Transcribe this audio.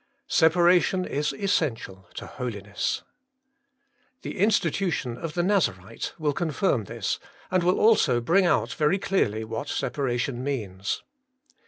Separa tion is essential to holiness. The institution of the Nazarite will confirm this, and will also bring out very clearly what separation means.